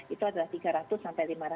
itu adalah tiga ratus sampai lima ratus